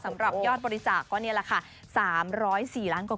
สำหรับยอดบริจากษ์ก็นี่แหละค่ะ